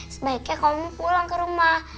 sebaiknya kamu pulang ke rumah